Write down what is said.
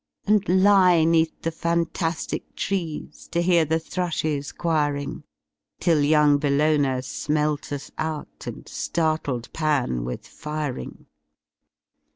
And lie ^neath the fantastic trees To hear the thrmhes quiring. Till young Bellona smelt us out And Startled Fan with firing.